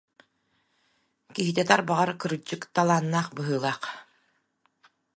Киһитэ тарбаҕар, кырдьык, талааннаах быһыылаах.